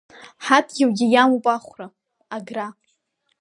Ҳадгьылгьы иамоуп ахәра, агра.